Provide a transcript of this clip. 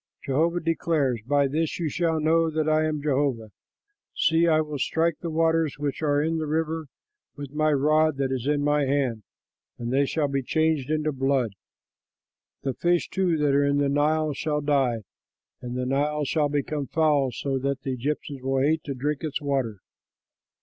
Jehovah declares, By this you shall know that I am Jehovah: See, I will strike the waters which are in the river with the rod that is in my hand and they shall be changed into blood. The fish, too, that are in the Nile shall die, and the Nile shall become foul, so that the Egyptians will hate to drink its water.'"